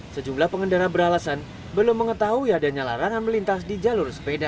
sejumlah pengendara beralasan belum mengetahui adanya larangan melintas di jalur sepeda